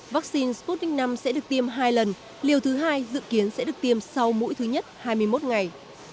vaccine sputnik v sẽ được tiêm hai lần liều thứ hai dự kiến sẽ được tiêm sau mũi thứ nhất hai mươi một ngày